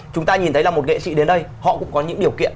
chúng ta nhìn thấy là một nghệ sĩ đến đây họ cũng có những điều kiện